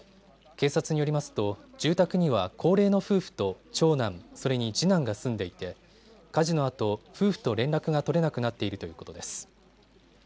警察によりますと住宅には高齢の夫婦と長男、それに次男が住んでいて火事のあと、夫婦と連絡が取れなくなっているということです。